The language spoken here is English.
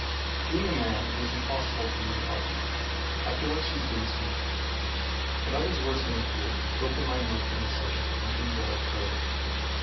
Being a man, it was impossible for me to help it, after what she's been to me. But I was worse than a fool to open my mouth on the subject to an angel like her.